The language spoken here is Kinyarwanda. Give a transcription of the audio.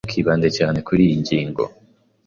Ntukibande cyane kuriyi ngingo.